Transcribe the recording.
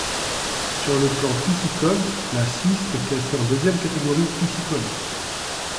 Sur le plan piscicole, la Cisse est classée en deuxième catégorie piscicole.